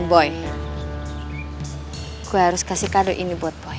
nombor yang ada tujuh tidak dapat dihubungi